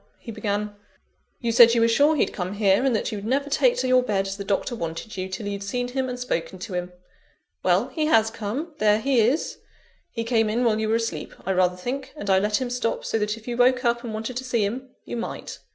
he began, "you said you were sure he'd come here, and that you'd never take to your bed, as the Doctor wanted you, till you'd seen him and spoken to him. Well, he has come; there he is. He came in while you were asleep, I rather think; and I let him stop, so that if you woke up and wanted to see him, you might.